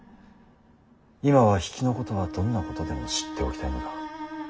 今は比企のことはどんなことでも知っておきたいのだ。